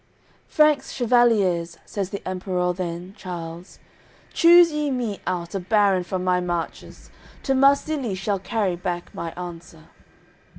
AOI. XX "Franks, chevaliers," says the Emperour then, Charles, "Choose ye me out a baron from my marches, To Marsilie shall carry back my answer."